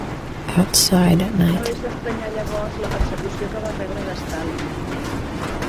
No és d'estranyar llavors la persecució que va rebre de Stalin.